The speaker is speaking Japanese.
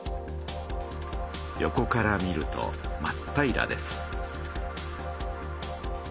横から見るとまっ平らです。